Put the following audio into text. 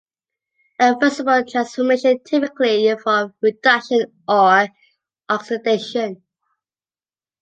Irreversible transformation typically involve reduction or oxidation.